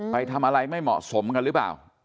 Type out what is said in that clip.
ไปทำอะไรไม่เหมาะสมกันหรือเปล่า